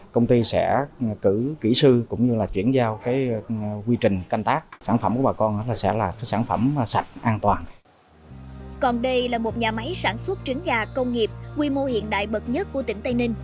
còn đây là một nhà máy sản xuất trứng gà công nghiệp quy mô hiện đại bậc nhất của tỉnh tây ninh